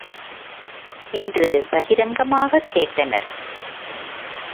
என்று பகிரங்கமாகக் கேட்டனர்!